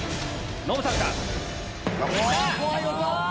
ノブさんか？来た！